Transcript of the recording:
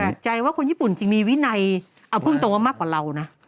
ใจว่าคนญี่ปุ่นจริงมีวินัยเอาพูดตรงว่ามากกว่าเรานะ